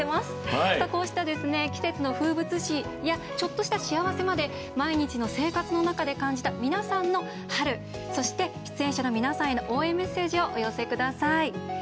こうした季節の風物詩やちょっとした幸せまで毎日の生活の中で感じた皆さんの春そして、出演者の皆さんへの応援メッセージをお寄せください。